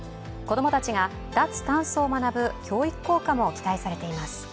子供たちが脱炭素を学ぶ教育効果も期待されています。